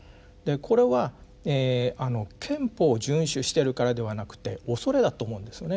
これは憲法を遵守してるからではなくて恐れだと思うんですよね。